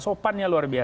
sopannya luar biasa